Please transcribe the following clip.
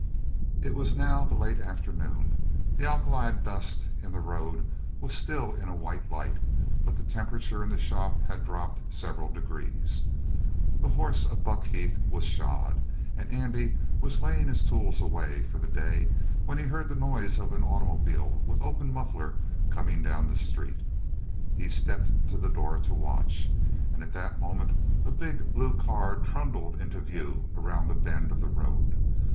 It was now the late afternoon; the alkali dust in the road was still in a white light, but the temperature in the shop had dropped several degrees. The horse of Buck Heath was shod, and Andy was laying his tools away for the day when he heard the noise of an automobile with open muffler coming down the street. He stepped to the door to watch, and at that moment a big blue car trundled into view around the bend of the road.